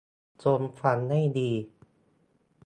จะฟังให้ดี